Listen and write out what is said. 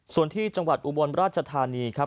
ส่วนที่จังหวัดอุบลราชธานีครับ